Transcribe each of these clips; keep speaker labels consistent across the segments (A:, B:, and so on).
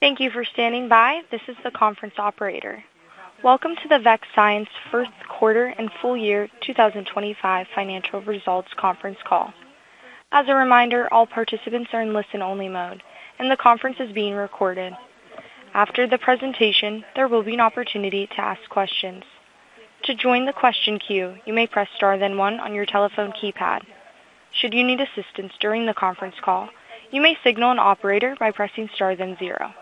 A: Thank you for standing by. This is the conference operator. Welcome to the Vext Science Q1 and full year 2025 financial results conference call. As a reminder, all participants are in listen-only mode, and the conference is being recorded. After the presentation, there will be an opportunity to ask questions. To join the question queue, you may press star then one on your telephone keypad. Should you need assistance during the conference call, you may signal an operator by pressing star then zero.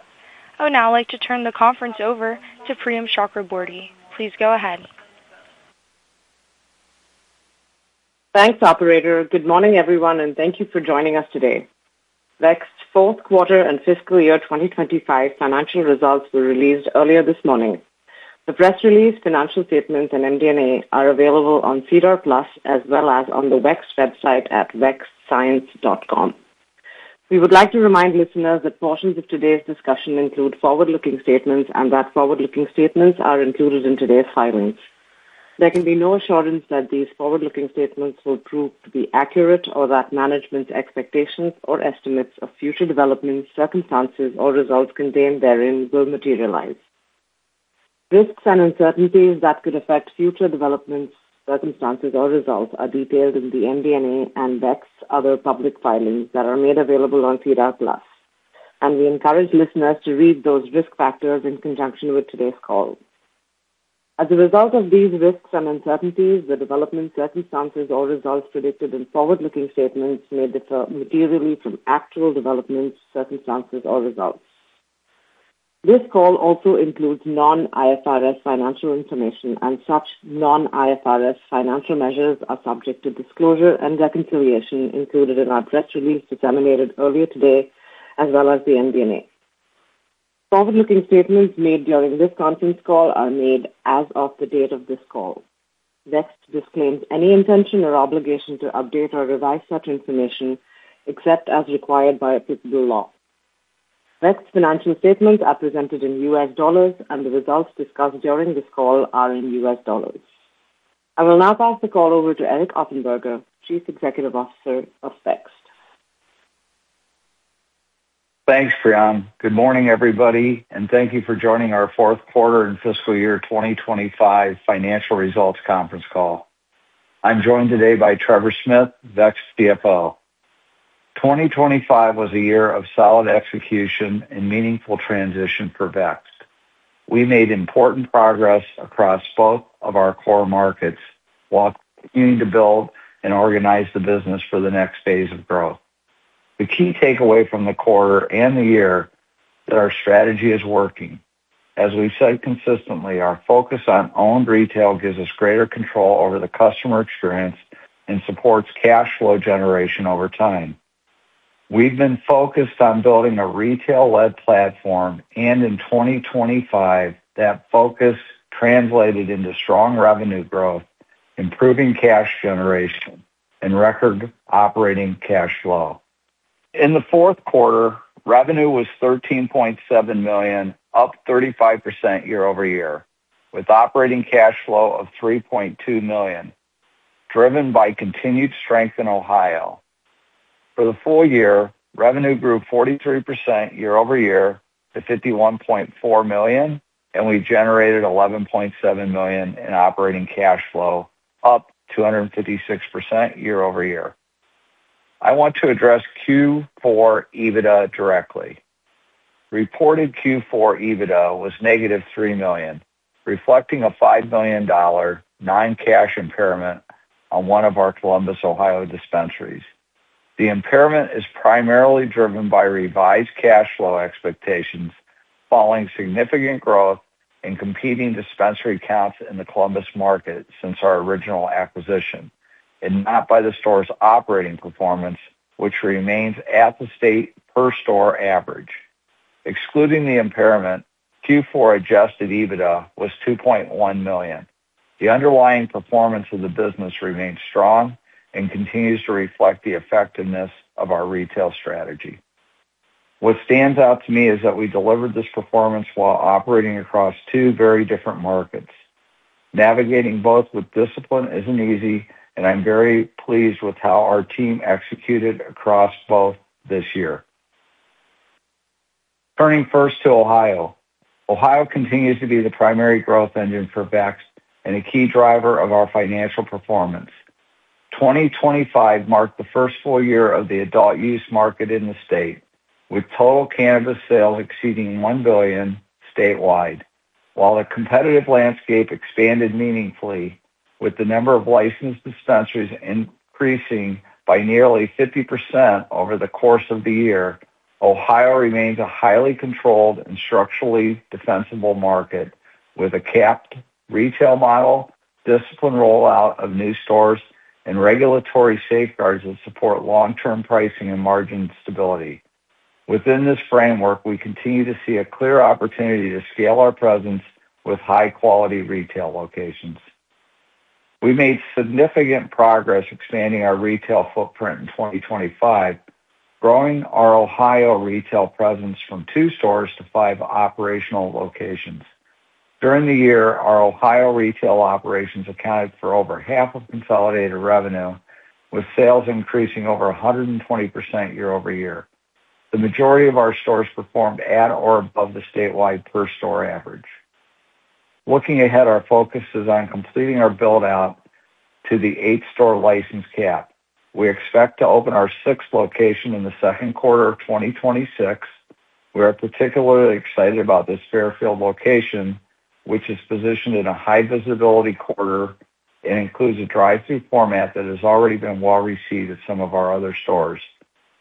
A: I would now like to turn the conference over to Priyam Chakraborty. Please go ahead.
B: Thanks, operator. Good morning, everyone, and thank you for joining us today. Vext Q4 and fiscal year 2025 financial results were released earlier this morning. The press release, financial statements, and MD&A are available on SEDAR+ as well as on the Vext website at vextscience.com. We would like to remind listeners that portions of today's discussion include forward-looking statements and that forward-looking statements are included in today's filings. There can be no assurance that these forward-looking statements will prove to be accurate, or that management's expectations or estimates of future developments, circumstances, or results contained therein will materialize. Risks and uncertainties that could affect future developments, circumstances, or results are detailed in the MD&A and Vext other public filings that are made available on SEDAR+. We encourage listeners to read those risk factors in conjunction with today's call. As a result of these risks and uncertainties, the development circumstances or results predicted in forward-looking statements may differ materially from actual developments, circumstances, or results. This call also includes non-IFRS financial information, and such non-IFRS financial measures are subject to disclosure and reconciliation included in our press release disseminated earlier today, as well as the MD&A. Forward-looking statements made during this conference call are made as of the date of this call. Vext disclaims any intention or obligation to update or revise such information except as required by applicable law. Vext financial statements are presented in U.S. dollars, and the results discussed during this call are in U.S. dollars. I will now pass the call over to Eric Offenberger, Chief Executive Officer of Vext.
C: Thanks, Priyam. Good morning, everybody, and thank you for joining our Q4 and fiscal year 2025 financial results conference call. I'm joined today by Trevor Smith, Vext CFO. 2025 was a year of solid execution and meaningful transition for Vext. We made important progress across both of our core markets while continuing to build and organize the business for the next phase of growth. The key takeaway from the quarter and the year that our strategy is working. As we've said consistently, our focus on owned retail gives us greater control over the customer experience and supports cash flow generation over time. We've been focused on building a retail-led platform, and in 2025, that focus translated into strong revenue growth, improving cash generation, and record operating cash flow. In the Q4, revenue was $13.7 million, up 35% year-over-year, with operating cash flow of $3.2 million, driven by continued strength in Ohio. For the full year, revenue grew 43% year-over-year to $51.4 million, and we generated $11.7 million in operating cash flow, up 256% year-over-year. I want to address Q4 EBITDA directly. Reported Q4 EBITDA was -$3 million, reflecting a $5 million non-cash impairment on one of our Columbus, Ohio dispensaries. The impairment is primarily driven by revised cash flow expectations following significant growth in competing dispensary counts in the Columbus market since our original acquisition, and not by the store's operating performance, which remains at the state per store average. Excluding the impairment, Q4 adjusted EBITDA was $2.1 million. The underlying performance of the business remains strong and continues to reflect the effectiveness of our retail strategy. What stands out to me is that we delivered this performance while operating across two very different markets. Navigating both with discipline isn't easy, and I'm very pleased with how our team executed across both this year. Turning first to Ohio. Ohio continues to be the primary growth engine for Vext and a key driver of our financial performance. 2025 marked the first full year of the adult use market in the state, with total cannabis sales exceeding $1 billion statewide. While the competitive landscape expanded meaningfully, with the number of licensed dispensaries increasing by nearly 50% over the course of the year, Ohio remains a highly controlled and structurally defensible market with a capped retail model, disciplined rollout of new stores, and regulatory safeguards that support long-term pricing and margin stability. Within this framework, we continue to see a clear opportunity to scale our presence with high-quality retail locations. We made significant progress expanding our retail footprint in 2025, growing our Ohio retail presence from two stores to five operational locations. During the year, our Ohio retail operations accounted for over half of consolidated revenue, with sales increasing over 120% year-over-year. The majority of our stores performed at or above the statewide per store average. Looking ahead, our focus is on completing our build-out to the eight-store license cap. We expect to open our sixth location in the Q2 of 2026. We are particularly excited about this Fairfield location, which is positioned in a high visibility quarter and includes a drive-through format that has already been well received at some of our other stores.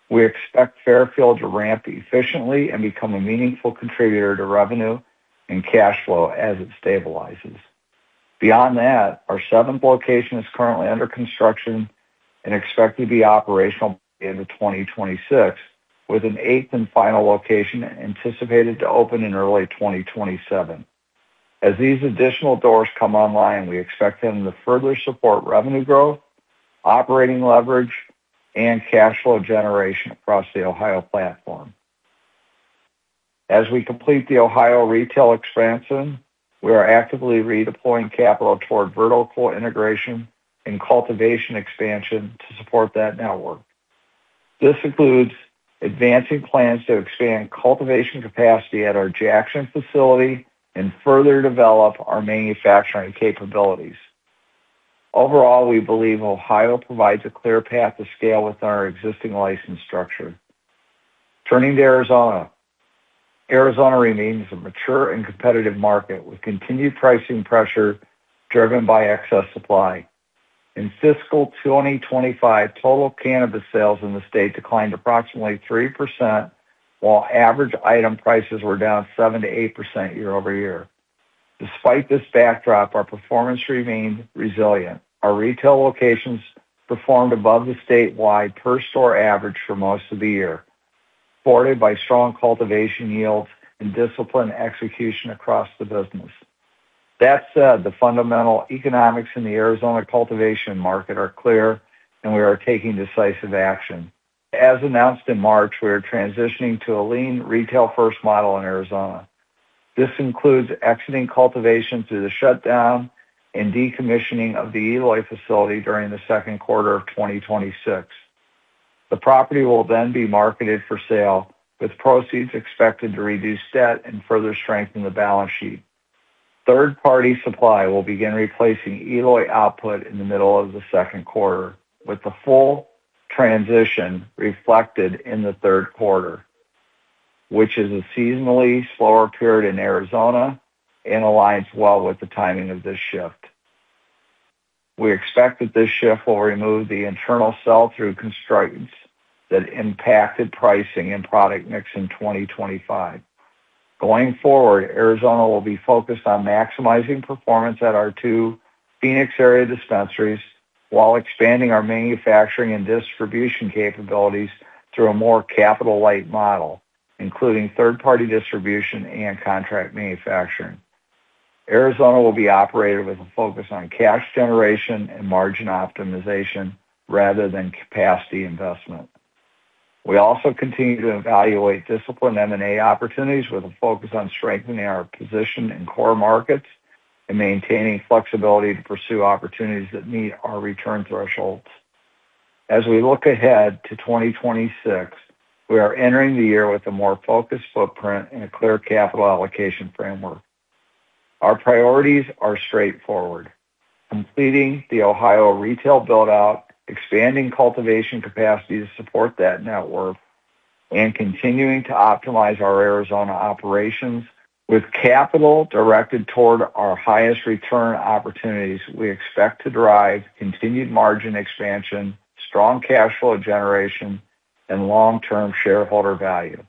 C: We expect Fairfield to ramp efficiently and become a meaningful contributor to revenue and cash flow as it stabilizes. Beyond that, our seventh location is currently under construction and expected to be operational end of 2026, with an eight and final location anticipated to open in early 2027. As these additional doors come online, we expect them to further support revenue growth, operating leverage, and cash flow generation across the Ohio platform. As we complete the Ohio retail expansion, we are actively redeploying capital toward vertical integration and cultivation expansion to support that network. This includes advancing plans to expand cultivation capacity at our Jackson facility and further develop our manufacturing capabilities. Overall, we believe Ohio provides a clear path to scale within our existing license structure. Turning to Arizona. Arizona remains a mature and competitive market, with continued pricing pressure driven by excess supply. In fiscal 2025, total cannabis sales in the state declined approximately 3%, while average item prices were down 7%-8% year-over-year. Despite this backdrop, our performance remained resilient. Our retail locations performed above the statewide per store average for most of the year, supported by strong cultivation yields and disciplined execution across the business. That said, the fundamental economics in the Arizona cultivation market are clear, and we are taking decisive action. As announced in March, we are transitioning to a lean retail-first model in Arizona. This includes exiting cultivation through the shutdown and decommissioning of the Eloy facility during the Q2 of 2026. The property will then be marketed for sale, with proceeds expected to reduce debt and further strengthen the balance sheet. Third-party supply will begin replacing Eloy output in the middle of the Q2, with the full transition reflected in the Q3, which is a seasonally slower period in Arizona and aligns well with the timing of this shift. We expect that this shift will remove the internal sell-through constraints that impacted pricing and product mix in 2025. Going forward, Arizona will be focused on maximizing performance at our two Phoenix area dispensaries while expanding our manufacturing and distribution capabilities through a more capital-light model, including third-party distribution and contract manufacturing. Arizona will be operated with a focus on cash generation and margin optimization rather than capacity investment. We also continue to evaluate disciplined M&A opportunities with a focus on strengthening our position in core markets and maintaining flexibility to pursue opportunities that meet our return thresholds. As we look ahead to 2026, we are entering the year with a more focused footprint and a clear capital allocation framework. Our priorities are straightforward, completing the Ohio retail build-out, expanding cultivation capacity to support that network, and continuing to optimize our Arizona operations. With capital directed toward our highest return opportunities, we expect to drive continued margin expansion, strong cash flow generation, and long-term shareholder value.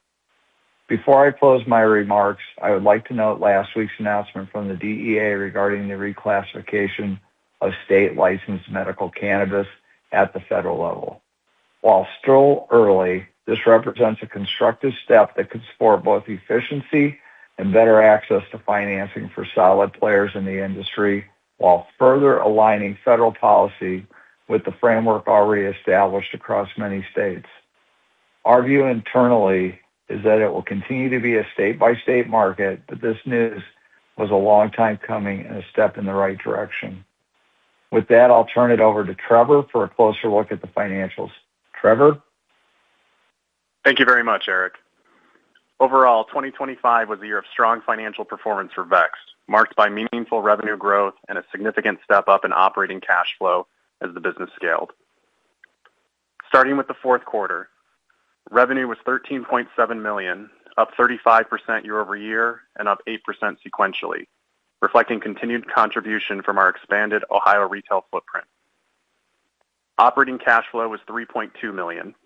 C: Before I close my remarks, I would like to note last week's announcement from the DEA regarding the reclassification of state licensed medical cannabis at the federal level. While still early, this represents a constructive step that could support both efficiency and better access to financing for solid players in the industry, while further aligning federal policy with the framework already established across many states. Our view internally is that it will continue to be a state-by-state market, but this news was a long time coming and a step in the right direction. With that, I'll turn it over to Trevor for a closer look at the financials. Trevor?
D: Thank you very much, Eric. Overall, 2025 was a year of strong financial performance for Vext, marked by meaningful revenue growth and a significant step-up in operating cash flow as the business scaled. Starting with the Q4, revenue was $13.7 million, up 35% year-over-year and up 8% sequentially, reflecting continued contribution from our expanded Ohio retail footprint. Operating cash flow was $3.2 million,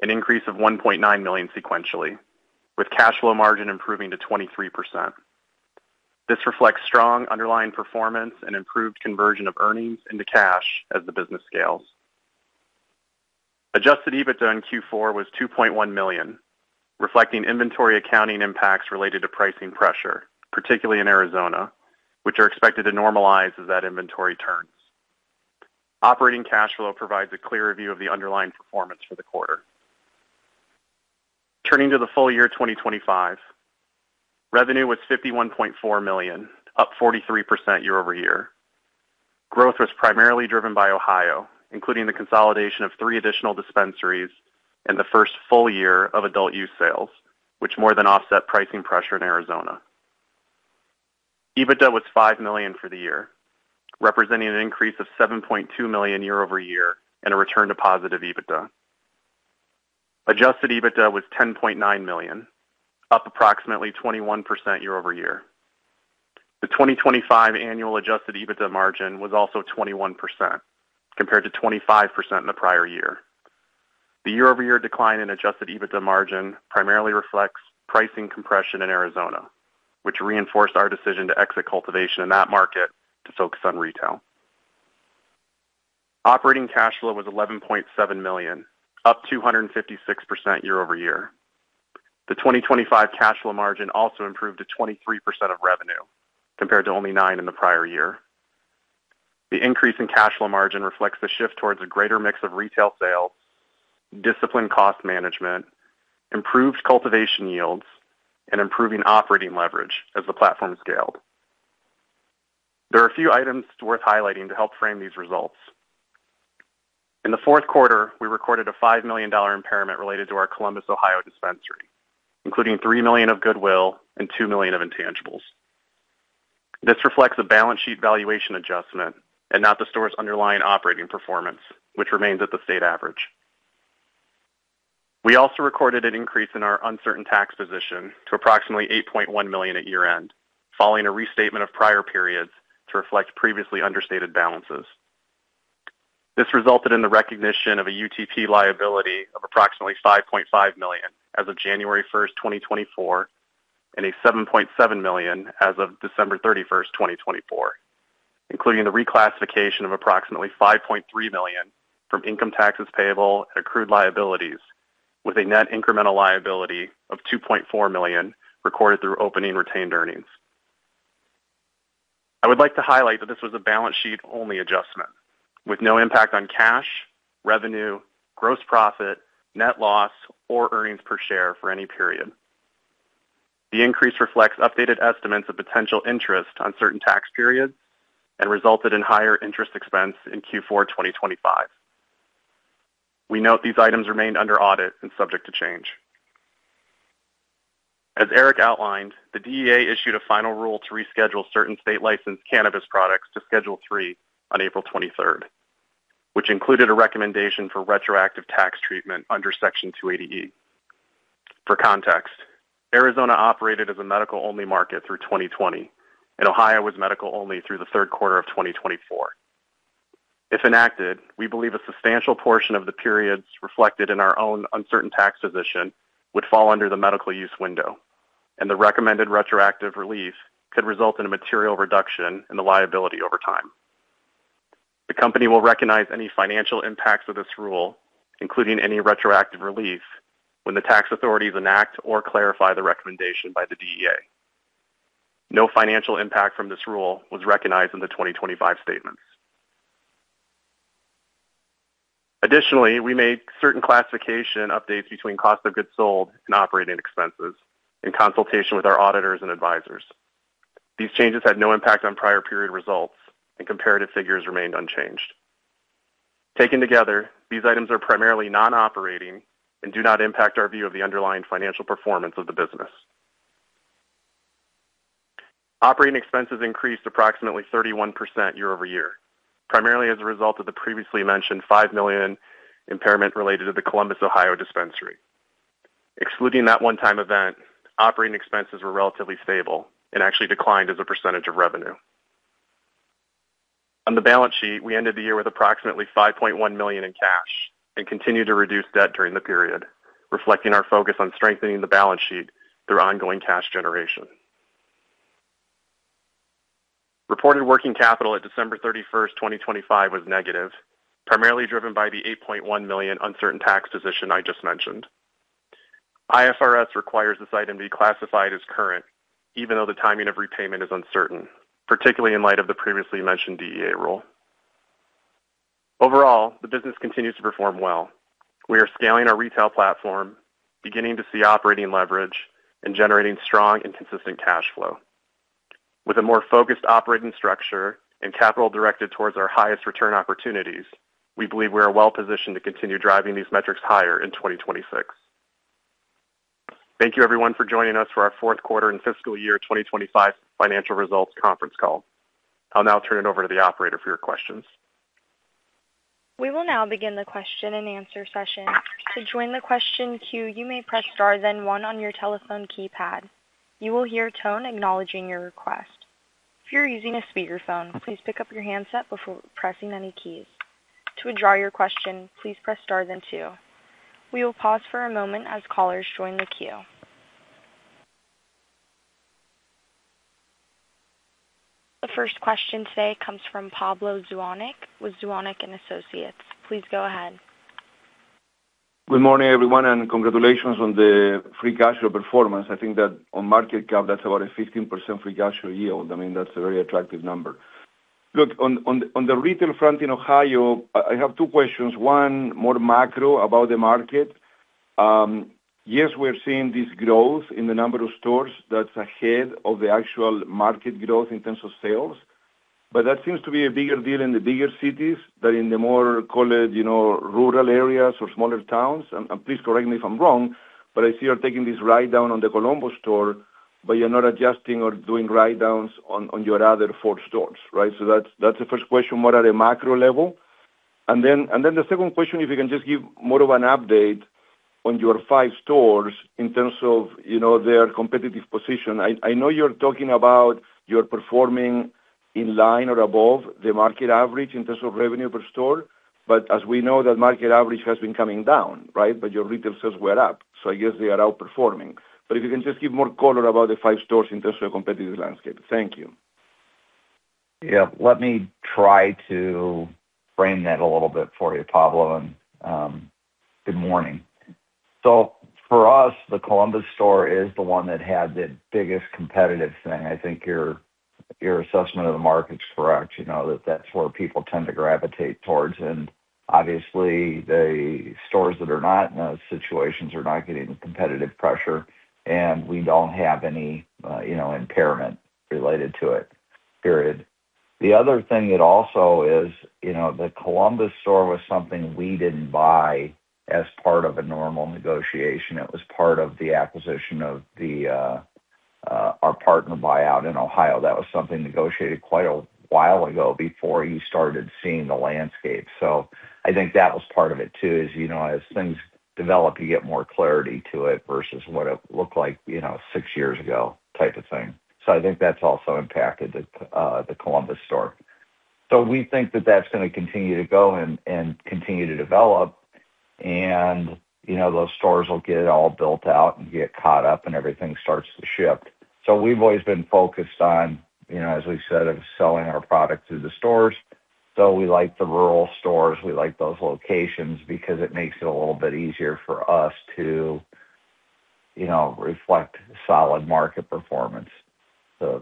D: an increase of $1.9 million sequentially, with cash flow margin improving to 23%. This reflects strong underlying performance and improved conversion of earnings into cash as the business scales. Adjusted EBITDA in Q4 was $2.1 million, reflecting inventory accounting impacts related to pricing pressure, particularly in Arizona, which are expected to normalize as that inventory turns. Operating cash flow provides a clear view of the underlying performance for the quarter. Turning to the full year 2025. Revenue was $51.4 million, up 43% year-over-year. Growth was primarily driven by Ohio, including the consolidation of three additional dispensaries and the first full year of adult use sales, which more than offset pricing pressure in Arizona. EBITDA was $5 million for the year, representing an increase of $7.2 million year-over-year and a return to positive EBITDA. Adjusted EBITDA was $10.9 million, up approximately 21% year-over-year. The 2025 annual adjusted EBITDA margin was also 21% compared to 25% in the prior year. The year-over-year decline in adjusted EBITDA margin primarily reflects pricing compression in Arizona, which reinforced our decision to exit cultivation in that market to focus on retail. Operating cash flow was $11.7 million, up 256% year-over-year. The 2025 cash flow margin also improved to 23% of revenue, compared to only 9% in the prior year. The increase in cash flow margin reflects the shift towards a greater mix of retail sales, disciplined cost management, improved cultivation yields, and improving operating leverage as the platform scaled. There are a few items worth highlighting to help frame these results. In the Q4, we recorded a $5 million impairment related to our Columbus, Ohio dispensary, including $3 million of goodwill and $2 million of intangibles. This reflects a balance sheet valuation adjustment and not the store's underlying operating performance, which remains at the state average. We also recorded an increase in our uncertain tax position to approximately $8.1 million at year-end, following a restatement of prior periods to reflect previously understated balances. This resulted in the recognition of a UTP liability of approximately $5.5 million as of January 1, 2024, and a $7.7 million as of December 31, 2024, including the reclassification of approximately $5.3 million from income taxes payable and accrued liabilities with a net incremental liability of $2.4 million recorded through opening retained earnings. I would like to highlight that this was a balance sheet-only adjustment with no impact on cash, revenue, gross profit, net loss, or earnings per share for any period. The increase reflects updated estimates of potential interest on certain tax periods and resulted in higher interest expense in Q4 2025. We note these items remain under audit and subject to change. As Eric outlined, the DEA issued a final rule to reschedule certain state-licensed cannabis products to Schedule III on April 23rd, which included a recommendation for retroactive tax treatment under Section 280E. For context, Arizona operated as a medical-only market through 2020, and Ohio was medical only through the Q3 of 2024. If enacted, we believe a substantial portion of the periods reflected in our own uncertain tax position would fall under the medical use window, and the recommended retroactive relief could result in a material reduction in the liability over time. The company will recognize any financial impacts of this rule, including any retroactive relief, when the tax authorities enact or clarify the recommendation by the DEA. No financial impact from this rule was recognized in the 2025 statements. Additionally, we made certain classification updates between cost of goods sold and operating expenses in consultation with our auditors and advisors. These changes had no impact on prior period results, and comparative figures remained unchanged. Taken together, these items are primarily non-operating and do not impact our view of the underlying financial performance of the business. Operating expenses increased approximately 31% year-over-year, primarily as a result of the previously mentioned $5 million impairment related to the Columbus, Ohio dispensary. Excluding that one-time event, operating expenses were relatively stable and actually declined as a percentage of revenue. On the balance sheet, we ended the year with approximately $5.1 million in cash and continued to reduce debt during the period, reflecting our focus on strengthening the balance sheet through ongoing cash generation. Reported working capital at December 31, 2025 was negative, primarily driven by the $8.1 million uncertain tax position I just mentioned. IFRS requires this item be classified as current, even though the timing of repayment is uncertain, particularly in light of the previously mentioned DEA rule. Overall, the business continues to perform well. We are scaling our retail platform, beginning to see operating leverage and generating strong and consistent cash flow. With a more focused operating structure and capital directed towards our highest return opportunities, we believe we are well positioned to continue driving these metrics higher in 2026. Thank you everyone for joining us for our Q4 and fiscal year 2025 financial results conference call. I'll now turn it over to the operator for your questions.
A: We will now begin the Q&A session. To join the question queue, you may press star then one on your telephone keypad. You will hear tone acknowledging your request. If you're using a speaker phone, please pick up your handset before pressing any keys. To withdraw your question, please press star then two. We will pause for a moment as callers join the queue. The first question today comes from Pablo Zuanic with Zuanic & Associates. Please go ahead.
E: Good morning, everyone, and congratulations on the free cash flow performance. I think that on market cap, that's about a 15% free cash flow yield. I mean, that's a very attractive number. Look, on the retail front in Ohio, I have two questions. One, more Macro about the market. Yes, we're seeing this growth in the number of stores that's ahead of the actual market growth in terms of sales, but that seems to be a bigger deal in the bigger cities than in the more college, you know, rural areas or smaller towns. Please correct me if I'm wrong, but I see you're taking this ride down on the Columbus store, but you're not adjusting or doing ride downs on your other four stores, right? That's the first question, more at a macro level. Then the second question, if you can just give more of an update on your five stores in terms of, you know, their competitive position. I know you're talking about you're performing in line or above the market average in terms of revenue per store. As we know, that market average has been coming down, right? Your retail sales were up, I guess they are outperforming. If you can just give more color about the five stores in terms of competitive landscape. Thank you.
C: Yeah. Let me try to frame that a little bit for you, Pablo, good morning. For us, the Columbus store is the one that had the biggest competitive thing. I think your assessment of the market's correct. You know, that's where people tend to gravitate towards. Obviously, the stores that are not in those situations are not getting the competitive pressure, and we don't have any, you know, impairment related to it, period. The other thing it also is, you know, the Columbus store was something we didn't buy as part of a normal negotiation. It was part of the acquisition of the, our partner buyout in Ohio. That was something negotiated quite a while ago before you started seeing the landscape. I think that was part of it too, is, you know, as things develop, you get more clarity to it versus what it looked like, you know, six years ago type of thing. I think that's also impacted the Columbus store. We think that that's gonna continue to go and continue to develop and, you know, those stores will get all built out and get caught up and everything starts to shift. We've always been focused on, you know, as we said, of selling our product through the stores. We like the rural stores, we like those locations because it makes it a little bit easier for us to, you know, reflect solid market performance.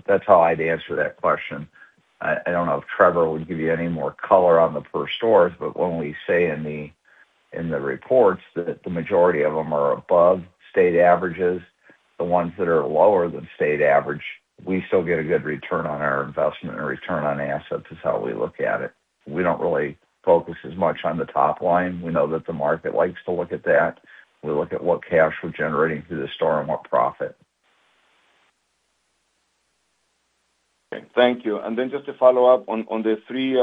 C: That's how I'd answer that question. I don't know if Trevor would give you any more color on the first stores, but when we say in the reports that the majority of them are above state averages, the ones that are lower than state average, we still get a good return on our investment and return on assets is how we look at it. We don't really focus as much on the top line. We know that the market likes to look at that. We look at what cash we're generating through the store and what profit.
E: Okay. Thank you. Just to follow up on the three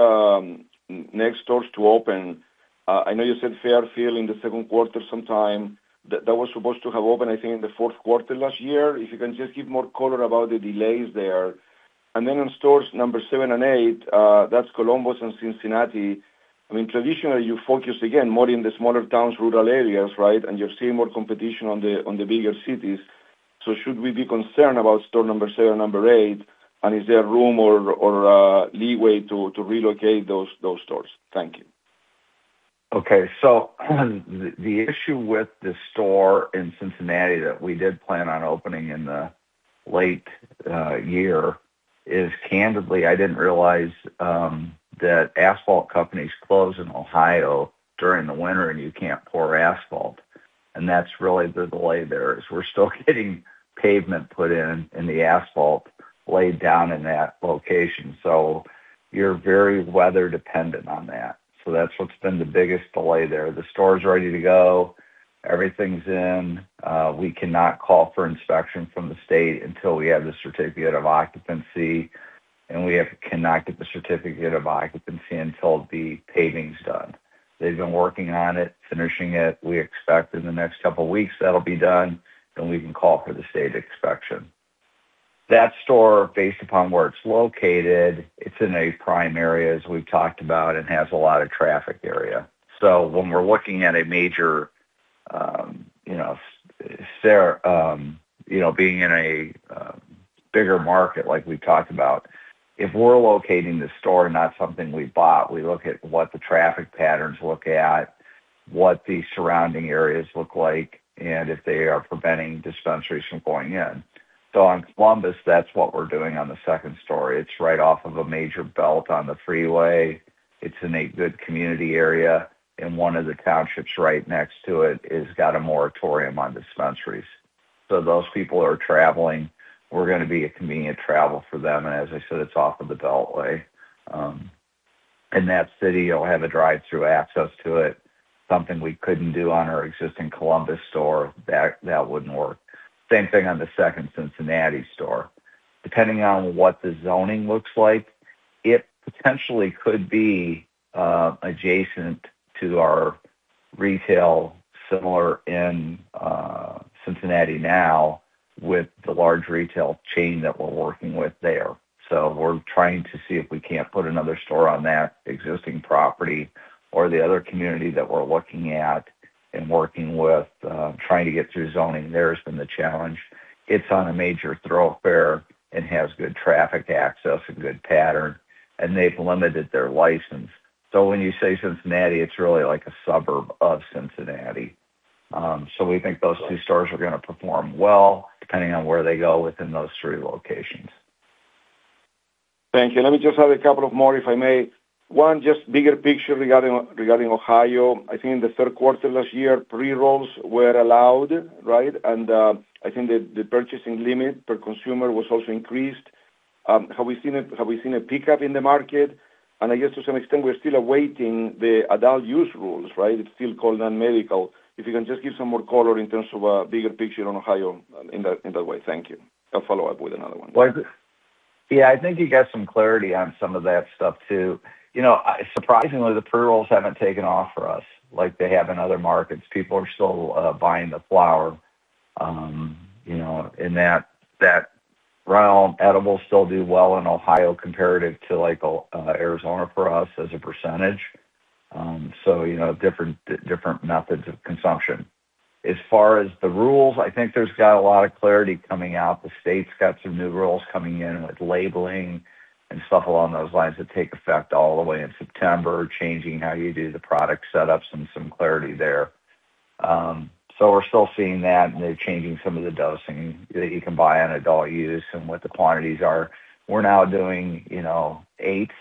E: next stores to open, I know you said Fairfield in the Q2 sometime. That was supposed to have opened, I think, in the Q4 last year. If you can just give more color about the delays there. On stores number seven and eight, that's Columbus and Cincinnati. I mean, traditionally, you focus again more in the smaller towns, rural areas, right? You're seeing more competition on the bigger cities. Should we be concerned about store number seven or number eight? Is there room or leeway to relocate those stores? Thank you.
C: Okay. The, the issue with the store in Cincinnati that we did plan on opening in the late year is, candidly, I didn't realize that asphalt companies close in Ohio during the winter, and you can't pour asphalt. That's really the delay there, is we're still getting pavement put in and the asphalt laid down in that location. You're very weather dependent on that. That's what's been the biggest delay there. The store's ready to go. Everything's in. We cannot call for inspection from the state until we have the certificate of occupancy, and we cannot get the certificate of occupancy until the paving's done. They've been working on it, finishing it. We expect in the next couple weeks that'll be done, then we can call for the state inspection. That store, based upon where it's located, it's in a prime area, as we've talked about, and has a lot of traffic area. When we're looking at a major, you know, being in a bigger market like we've talked about, if we're locating the store, not something we bought, we look at what the traffic patterns look at, what the surrounding areas look like, and if they are preventing dispensaries from going in. On Columbus, that's what we're doing on the second story. It's right off of a major belt on the freeway. It's in a good community area, and one of the townships right next to it has got a moratorium on dispensaries. Those people are traveling. We're gonna be a convenient travel for them, and as I said, it's off of the beltway. In that city, it'll have a drive-through access to it, something we couldn't do on our existing Columbus store. That wouldn't work. Same thing on the second Cincinnati store. Depending on what the zoning looks like, it potentially could be adjacent to our retail similar in Cincinnati now with the large retail chain that we're working with there. We're trying to see if we can't put another store on that existing property or the other community that we're looking at and working with, trying to get through zoning there has been the challenge. It's on a major thoroughfare and has good traffic access, a good pattern, and they've limited their license. When you say Cincinnati, it's really like a suburb of Cincinnati. We think those two stores are gonna perform well depending on where they go within those three locations.
E: Thank you. Let me just have a couple of more, if I may. One, just bigger picture regarding Ohio. I think in the Q3 last year, pre-rolls were allowed, right? I think the purchasing limit per consumer was also increased. Have we seen a pickup in the market? I guess to some extent we're still awaiting the adult use rules, right? It's still called non-medical. If you can just give some more color in terms of bigger picture on Ohio in that way. Thank you. I'll follow up with another one.
C: Yeah, I think you got some clarity on some of that stuff too. You know, surprisingly, the pre-rolls haven't taken off for us like they have in other markets. People are still buying the flower, you know, edibles still do well in Ohio comparative to like Arizona for us as a percentage. You know, different methods of consumption. As far as the rules, I think there's got a lot of clarity coming out. The state's got some new rules coming in with labeling and stuff along those lines that take effect all the way in September, changing how you do the product setups and some clarity there. We're still seeing that, and they're changing some of the dosing that you can buy on adult use and what the quantities are. We're now doing, you know, eighths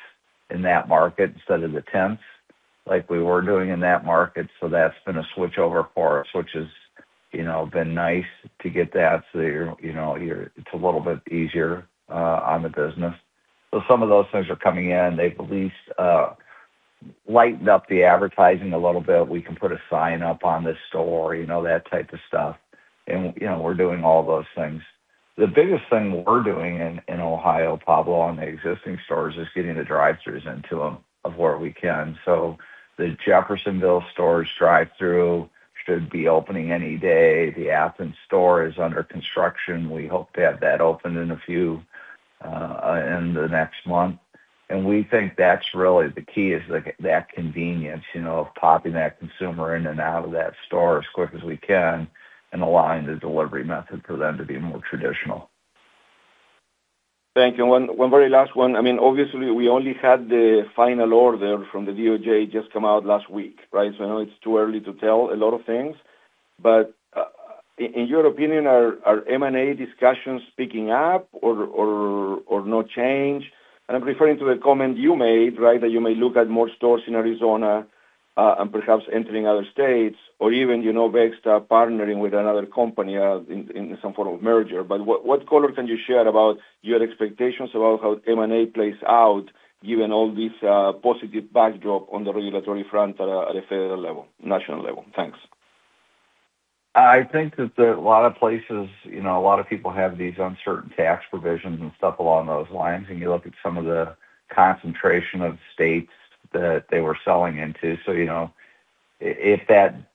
C: in that market instead of the tenths like we were doing in that market. That's been a switch over for us, which has, you know, been nice to get that so you're, you know, it's a little bit easier on the business. Some of those things are coming in. They've at least lightened up the advertising a little bit. We can put a sign up on the store, you know, that type of stuff. You know, we're doing all those things. The biggest thing we're doing in Ohio, Pablo, on the existing stores is getting the drive-throughs into them of where we can. The Jeffersonville store's drive-through should be opening any day. The Athens store is under construction. We hope to have that open in a few in the next month. We think that's really the key, is that convenience, you know, of popping that consumer in and out of that store as quick as we can and align the delivery method for them to be more traditional.
E: Thank you. One very last one. I mean, obviously we only had the final order from the DOJ just come out last week, right? I know it's too early to tell a lot of things. In your opinion, are M&A discussions picking up or no change? I'm referring to the comment you made, right? That you may look at more stores in Arizona, and perhaps entering other states or even, you know, Vext start partnering with another company, in some form of merger. What color can you share about your expectations about how M&A plays out given all this positive backdrop on the regulatory front at a federal level, national level? Thanks.
C: I think that there are a lot of places, you know, a lot of people have these uncertain tax provisions and stuff along those lines, and you look at some of the concentration of states that they were selling into. You know, if that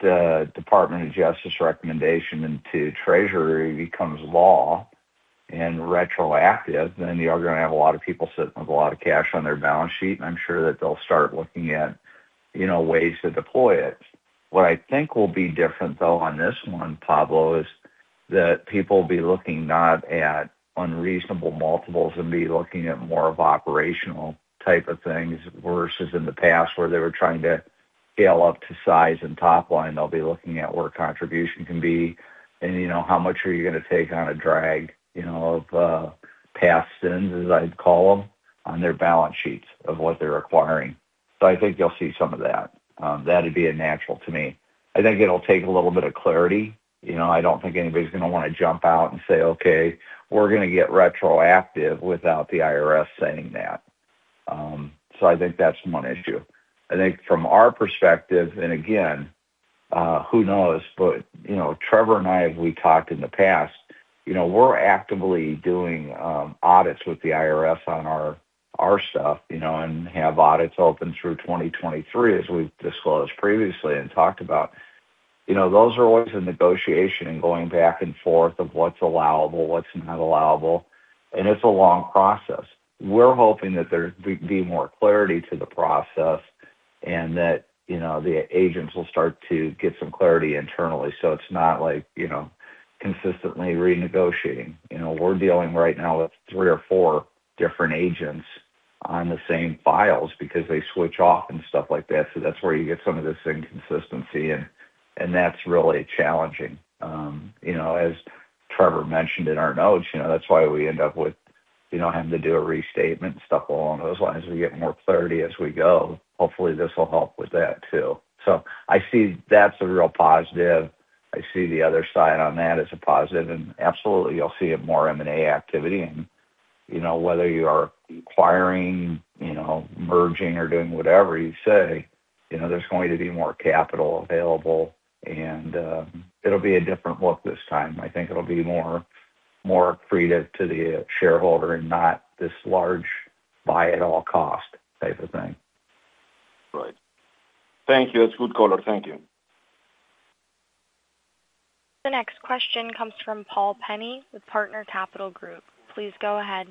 C: Department of Justice recommendation into Treasury becomes law and retroactive, then you are going to have a lot of people sitting with a lot of cash on their balance sheet, and I'm sure that they will start looking at, you know, ways to deploy it. What I think will be different, though, on this one, Pablo, is that people will be looking not at unreasonable multiples and be looking at more of operational type of things versus in the past where they were trying to scale up to size and top line. They'll be looking at where contribution can be and, you know, how much are you gonna take on a drag, you know, of past sins, as I'd call them, on their balance sheets of what they're acquiring. I think you'll see some of that. That'd be a natural to me. I think it'll take a little bit of clarity. You know, I don't think anybody's gonna wanna jump out and say, "Okay, we're gonna get retroactive," without the IRS saying that. I think that's one issue. I think from our perspective, and again, who knows, but, you know, Trevor and I, as we talked in the past, you know, we're actively doing audits with the IRS on our stuff, you know, and have audits open through 2023, as we've disclosed previously and talked about. You know, those are always a negotiation and going back and forth of what's allowable, what's not allowable, and it's a long process. We're hoping that there be more clarity to the process and that, you know, the agents will start to get some clarity internally so it's not like, you know, consistently renegotiating. You know, we're dealing right now with three or four different agents on the same files because they switch off and stuff like that, so that's where you get some of this inconsistency and that's really challenging. You know, as Trevor mentioned in our notes, you know, that's why we end up with, you know, having to do a restatement and stuff along those lines. We get more clarity as we go. Hopefully, this will help with that too. I see that's a real positive. I see the other side on that as a positive, and absolutely you'll see more M&A activity and, you know, whether you are acquiring, you know, merging or doing whatever you say, you know, there's going to be more capital available and, it'll be a different look this time. I think it'll be more, more accretive to the shareholder and not this large buy at all cost type of thing.
E: Right. Thank you. That's good color. Thank you.
A: The next question comes from Paul Penney with Partner Capital Group. Please go ahead.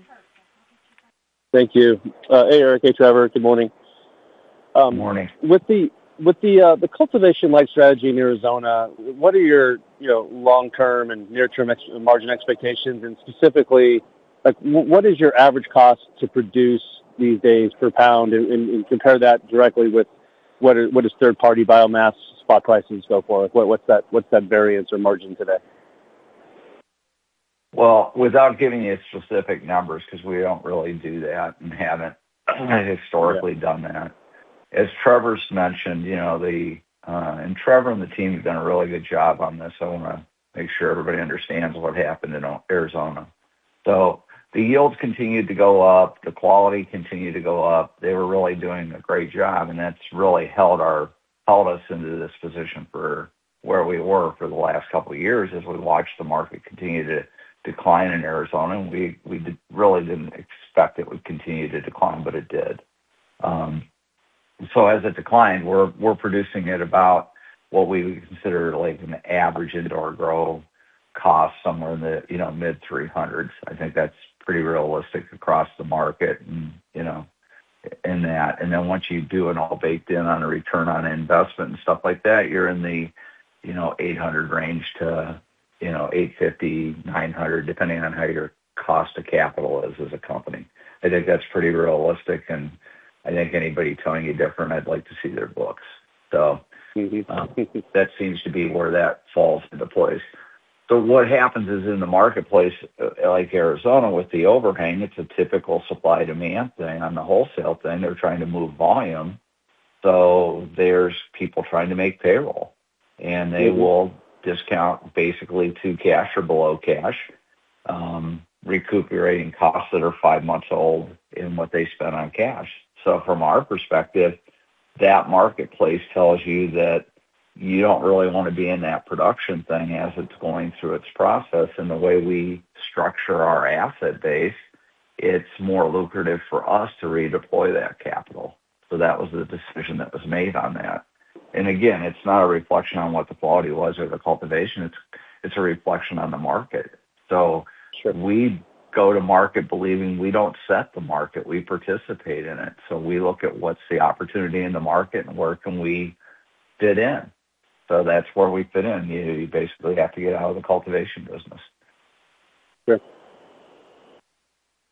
F: Thank you. Hey, Eric. Hey, Trevor. Good morning.
C: Morning.
F: With the cultivation-like strategy in Arizona, what are your, you know, long-term and near-term margin expectations? Specifically. Like, what is your average cost to produce these days per pound? Compare that directly with what is third party biomass spot price and so forth. What's that, what's that variance or margin today?
C: Without giving you specific numbers, because we don't really do that and haven't historically done that. As Trevor's mentioned, you know, Trevor and the team have done a really good job on this. I wanna make sure everybody understands what happened in Arizona. The yields continued to go up. The quality continued to go up. They were really doing a great job, and that's really held us into this position for where we were for the last couple of years as we watched the market continue to decline in Arizona. We really didn't expect it would continue to decline, but it did. As it declined, we're producing at about what we consider, like, an average indoor grow cost somewhere in the, you know, mid $300s. I think that's pretty realistic across the market and, you know, in that. Then once you do it all baked in on a return on investment and stuff like that, you're in the, you know, $800 range to, you know, $850-$900, depending on how your cost of capital is as a company. I think that's pretty realistic, and I think anybody telling you different, I'd like to see their books. That seems to be where that falls into place. What happens is in the marketplace, like Arizona with the overhang, it's a typical supply demand thing. On the wholesale thing, they're trying to move volume, so there's people trying to make payroll. They will discount basically to cash or below cash, recuperating costs that are five months old in what they spent on cash. From our perspective, that marketplace tells you that you don't really want to be in that production thing as it's going through its process. The way we structure our asset base, it's more lucrative for us to redeploy that capital. That was the decision that was made on that. Again, it's not a reflection on what the quality was or the cultivation. It's a reflection on the market. We go to market believing we don't set the market, we participate in it. We look at what's the opportunity in the market and where can we fit in. That's where we fit in. You basically have to get out of the cultivation business.
F: Sure.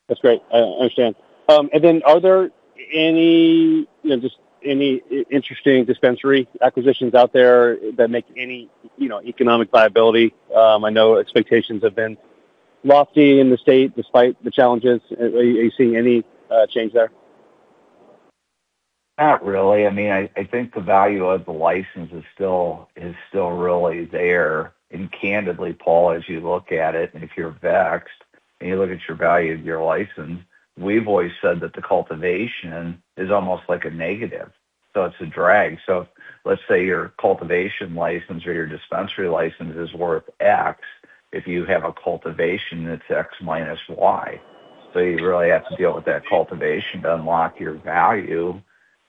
F: That's great. I understand. Are there any, you know, just any interesting dispensary acquisitions out there that make any, you know, economic viability? I know expectations have been lofty in the state despite the challenges. Are you seeing any change there?
C: Not really. I mean, I think the value of the license is still really there. Candidly, Paul, as you look at it, if you're Vext and you look at your value of your license, we've always said that the cultivation is almost like a negative, it's a drag. Let's say your cultivation license or your dispensary license is worth X. If you have a cultivation, that's X minus Y. You really have to deal with that cultivation to unlock your value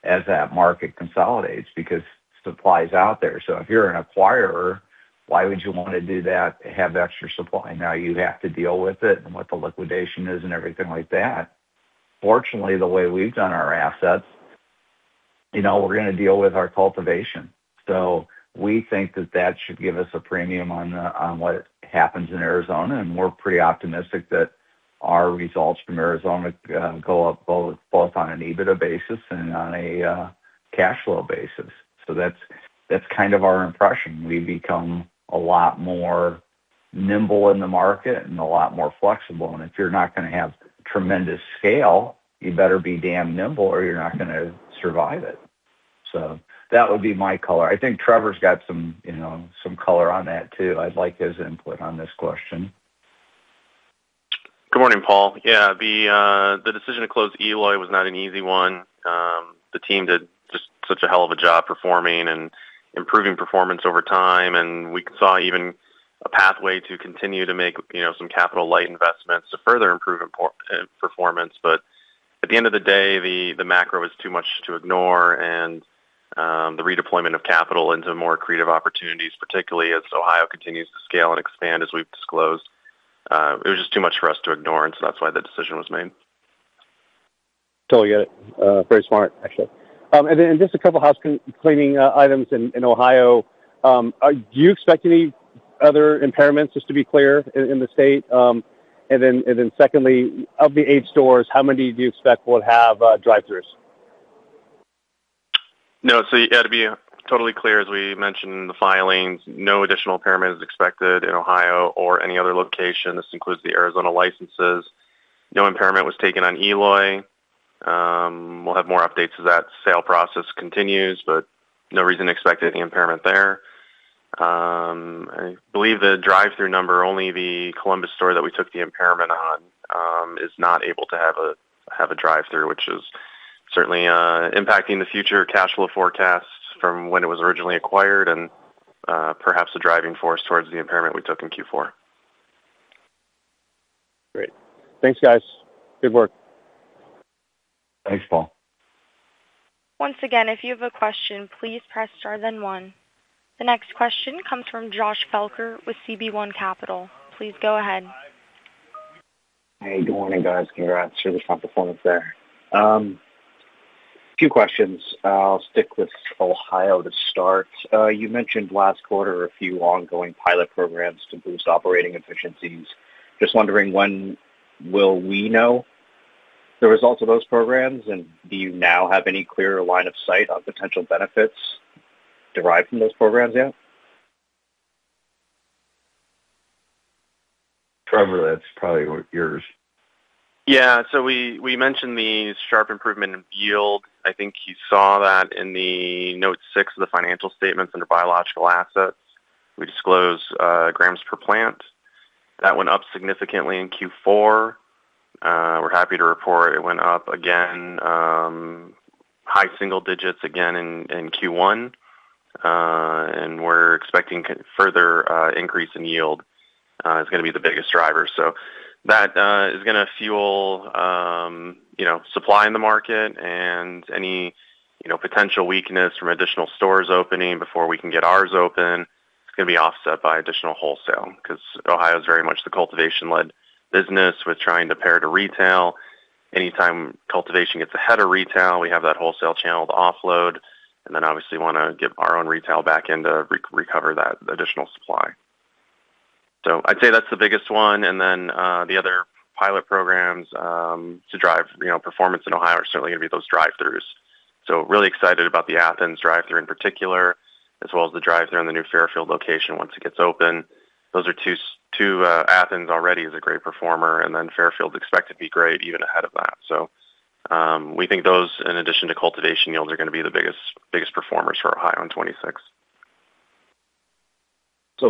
C: as that market consolidates because supply is out there. If you're an acquirer, why would you wanna do that and have extra supply? You have to deal with it and what the liquidation is and everything like that. Fortunately, the way we've done our assets, you know, we're gonna deal with our cultivation. We think that that should give us a premium on what happens in Arizona, and we're pretty optimistic that our results from Arizona go up both on an EBITDA basis and on a cash flow basis. That's kind of our impression. We've become a lot more nimble in the market and a lot more flexible. If you're not gonna have tremendous scale, you better be damn nimble or you're not gonna survive it. That would be my color. I think Trevor's got some, you know, color on that too. I'd like his input on this question.
D: Good morning, Paul. The decision to close Eloy was not an easy one. The team did just such a hell of a job performing and improving performance over time, and we saw even a pathway to continue to make, you know, some capital light investments to further improve performance. At the end of the day, the macro was too much to ignore, the redeployment of capital into more accretive opportunities, particularly as Ohio continues to scale and expand, as we've disclosed, it was just too much for us to ignore, that's why the decision was made.
F: Totally get it. Very smart, actually. Then just a couple of houseclean-cleaning items in Ohio. Do you expect any other impairments, just to be clear, in the state? Then, secondly, of the eight stores, how many do you expect will have drive-throughs?
D: No. To be totally clear, as we mentioned in the filings, no additional impairment is expected in Ohio or any other location. This includes the Arizona licenses. No impairment was taken on Eloy. We'll have more updates as that sale process continues, but no reason to expect any impairment there. I believe the drive-through number, only the Columbus store that we took the impairment on, is not able to have a drive-through, which is certainly impacting the future cash flow forecasts from when it was originally acquired and perhaps a driving force towards the impairment we took in Q4.
F: Great. Thanks, guys. Good work.
C: Thanks, Paul.
A: Once again, if you have a question, please press star then one. The next question comes from Josh Felker with CB1 Capital. Please go ahead.
G: Hey, good morning, guys. Congrats. Really strong performance there. Few questions. I'll stick with Ohio to start. You mentioned last quarter a few ongoing pilot programs to boost operating efficiencies. Just wondering when will we know the results of those programs, and do you now have any clearer line of sight on potential benefits derived from those programs yet?
C: Trevor, that's probably yours.
D: Yeah. We mentioned the sharp improvement in yield. I think you saw that in the note six of the financial statements under biological assets. We disclose grams per plant. That went up significantly in Q4. We're happy to report it went up again, high single digits again in Q1. We're expecting further increase in yield is gonna be the biggest driver. That is gonna fuel, you know, supply in the market and any, you know, potential weakness from additional stores opening before we can get ours open. It's gonna be offset by additional wholesale because Ohio is very much the cultivation-led business with trying to pair to retail. Anytime cultivation gets ahead of retail, we have that wholesale channel to offload, and then obviously wanna get our own retail back in to re-recover that additional supply. I'd say that's the biggest one. The other pilot programs, to drive, you know, performance in Ohio are certainly gonna be those drive-throughs. Really excited about the Athens drive-through in particular, as well as the drive-through in the new Fairfield location once it gets open. Those are two, Athens already is a great performer, and then Fairfield is expected to be great even ahead of that. We think those in addition to cultivation yields are gonna be the biggest performers for Ohio in 2026.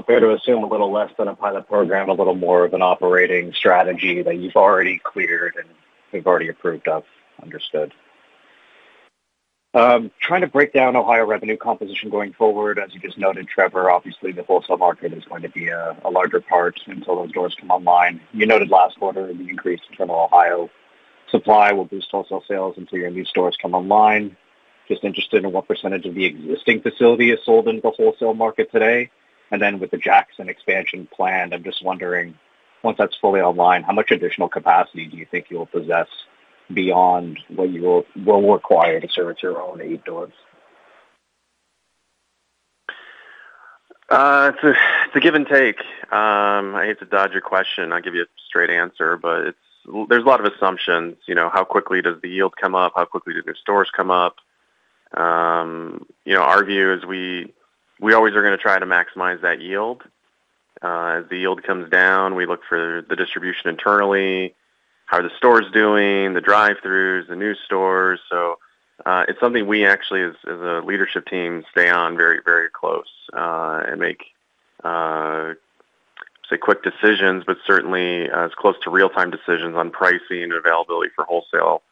G: Fair to assume a little less than a pilot program, a little more of an operating strategy that you've already cleared and they've already approved of. Understood. Trying to break down Ohio revenue composition going forward. As you just noted, Trevor, obviously the wholesale market is going to be a larger part until those doors come online. You noted last quarter the increase from Ohio supply will boost wholesale sales until your new stores come online. Just interested in what percentage of the existing facility is sold in the wholesale market today. With the Jackson expansion plan, I'm just wondering, once that's fully online, how much additional capacity do you think you'll possess beyond what you will require to service your own eight doors?
D: It's a give and take. I hate to dodge your question. I'll give you a straight answer, but there's a lot of assumptions, you know, how quickly does the yield come up? How quickly do the stores come up? You know, our view is we always are gonna try to maximize that yield. As the yield comes down, we look for the distribution internally, how are the stores doing, the drive-throughs, the new stores. It's something we actually as a leadership team stay on very, very close and make quick decisions, but certainly as close to real-time decisions on pricing and availability for wholesale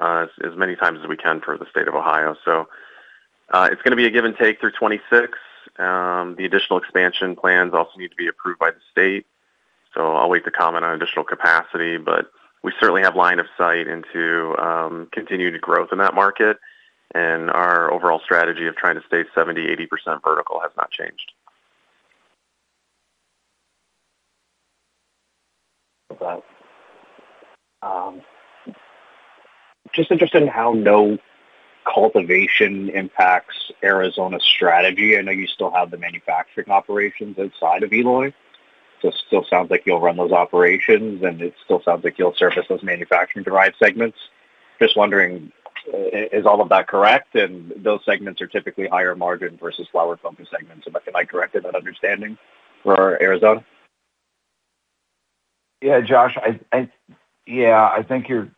D: as many times as we can for the state of Ohio. It's gonna be a give and take through 2026. The additional expansion plans also need to be approved by the state. I'll wait to comment on additional capacity, but we certainly have line of sight into continued growth in that market. Our overall strategy of trying to stay 70%-80% vertical has not changed.
G: Just interested in how no cultivation impacts Arizona strategy. I know you still have the manufacturing operations outside of Eloy. It still sounds like you'll run those operations, and it still sounds like you'll service those manufacturing-derived segments. Just wondering, is all of that correct? Those segments are typically higher margin versus flower-focused segments. Can I correct that understanding for Arizona?
C: Yeah, Josh, yeah, I think you're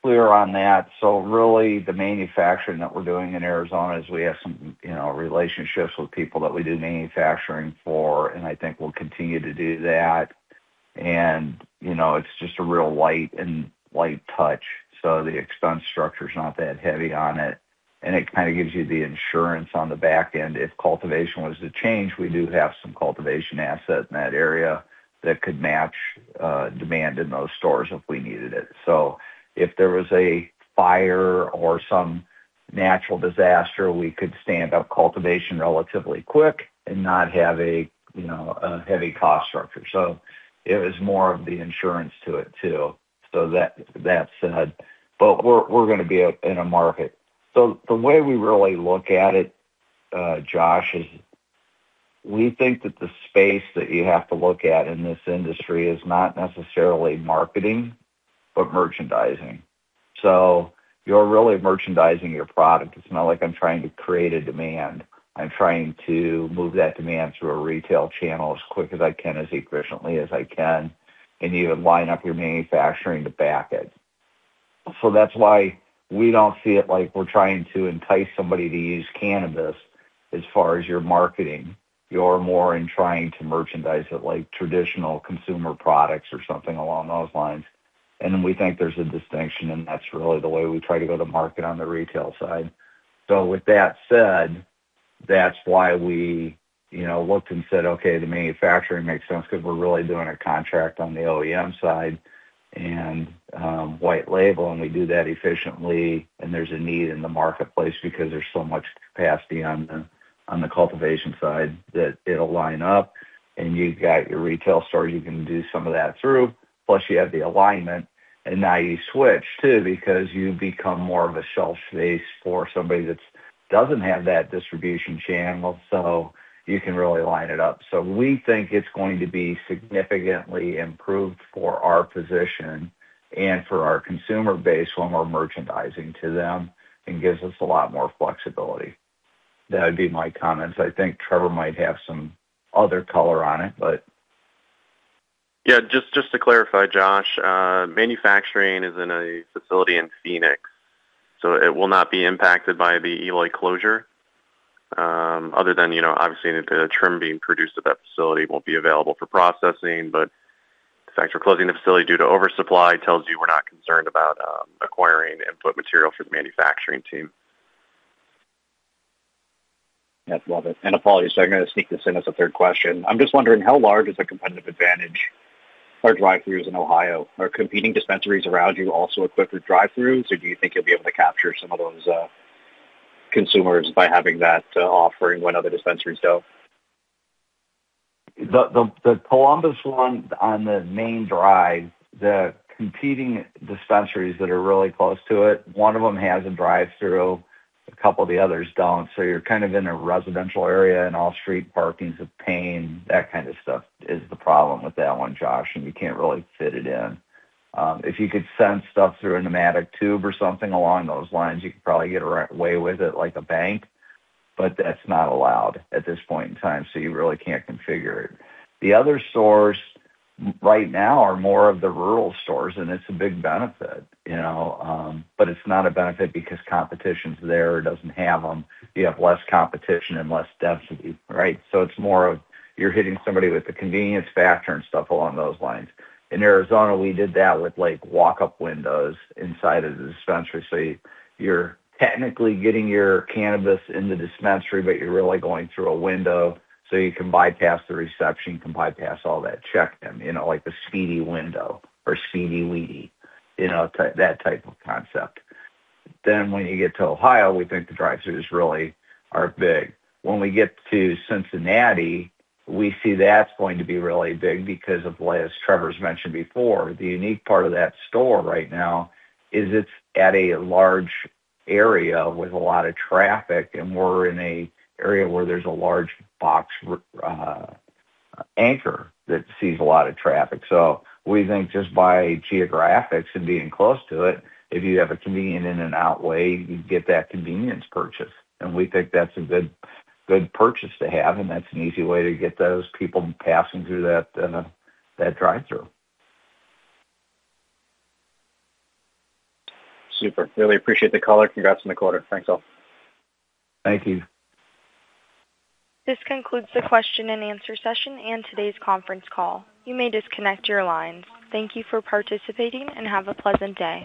C: clear on that. Really the manufacturing that we're doing in Arizona is we have some, you know, relationships with people that we do manufacturing for. I think we'll continue to do that. You know, it's just a real light and light touch, so the expense structure is not that heavy on it. It kinda gives you the insurance on the back end. If cultivation was to change, we do have some cultivation asset in that area that could match demand in those stores if we needed it. If there was a fire or some natural disaster, we could stand up cultivation relatively quick and not have a, you know, a heavy cost structure. It is more of the insurance to it too. That, that said. We're, we're gonna be in a market. The way we really look at it, Josh, is we think that the space that you have to look at in this industry is not necessarily marketing but merchandising. You're really merchandising your product. It's not like I'm trying to create a demand. I'm trying to move that demand through a retail channel as quick as I can, as efficiently as I can, and you line up your manufacturing to back it. That's why we don't see it like we're trying to entice somebody to use cannabis as far as your marketing. You're more in trying to merchandise it like traditional consumer products or something along those lines. Then we think there's a distinction, and that's really the way we try to go to market on the retail side. With that said, that's why we, you know, looked and said, okay, the manufacturing makes sense because we're really doing a contract on the OEM side and white label, and we do that efficiently. There's a need in the marketplace because there's so much capacity on the cultivation side that it'll line up and you've got your retail store you can do some of that through, plus you have the alignment, and now you switch too, because you become more of a shelf space for somebody that's doesn't have that distribution channel, so you can really line it up. We think it's going to be significantly improved for our position and for our consumer base when we're merchandising to them and gives us a lot more flexibility. That would be my comments. I think Trevor might have some other color on it.
D: Yeah, just to clarify, Josh, manufacturing is in a facility in Phoenix, so it will not be impacted by the Eloy closure. Other than, you know, obviously the trim being produced at that facility won't be available for processing, but the fact we're closing the facility due to oversupply tells you we're not concerned about acquiring input material for the manufacturing team.
G: Yes. Love it. Apologies, I'm gonna sneak this in as a third question. I'm just wondering how large is the competitive advantage for drive-throughs in Ohio? Are competing dispensaries around you also equipped with drive-throughs, or do you think you'll be able to capture some of those consumers by having that offering when other dispensaries don't?
C: The Columbus one on the main drive, the competing dispensaries that are really close to it, one of them has a drive-through, a couple of the others don't. You're kind of in a residential area and all street parking, paying that kind of stuff is the problem with that one, Josh, and you can't really fit it in. If you could send stuff through a pneumatic tube or something along those lines, you could probably get away with it like a bank, that's not allowed at this point in time, you really can't configure it. The other stores right now are more of the rural stores, it's a big benefit, you know. It's not a benefit because competition's there or doesn't have them. You have less competition and less density, right? It's more of you're hitting somebody with the convenience factor and stuff along those lines. In Arizona, we did that with, like, walk-up windows inside of the dispensary. You're technically getting your cannabis in the dispensary, but you're really going through a window, so you can bypass the reception, you can bypass all that check-in, you know, like the speedy window or Speedy Weedy. You know, that type of concept. When you get to Ohio, we think the drive-throughs really are big. When we get to Cincinnati, we see that's going to be really big because of what, as Trevor Smith's mentioned before, the unique part of that store right now is it's at a large area with a lot of traffic, and we're in a area where there's a large box anchor that sees a lot of traffic. We think just by geographics and being close to it, if you have a convenient in-and-out way, you get that convenience purchase. We think that's a good purchase to have, and that's an easy way to get those people passing through that drive-through.
G: Super. Really appreciate the color. Congrats on the quarter. Thanks, all.
C: Thank you.
A: This concludes the Q&A session and today's conference call. You may disconnect your lines. Thank you for participating, and have a pleasant day.